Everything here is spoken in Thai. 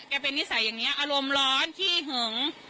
เป็นนิสัยอย่างนี้อารมณ์ร้อนขี้หึง